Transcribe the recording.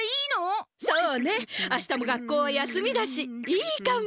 そうねあしたも学校は休みだしいいかも！